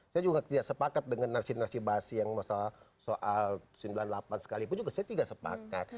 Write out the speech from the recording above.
saya juga tidak sepakat dengan narasi narasi basi yang masalah soal sembilan puluh delapan sekalipun juga saya tidak sepakat